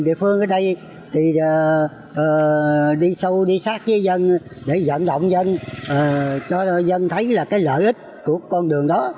địa phương ở đây thì đi sâu đi sát với dân để dẫn động dân cho dân thấy là cái lợi ích của con đường đó